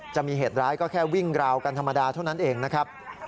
จะมีเหตุร้ายก็แค่วิ่งราวกันธรรมดาเท่านั้นเองนะครับ